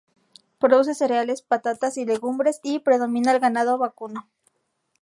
Produce cereales, patatas y legumbres y predomina el ganado vacuno.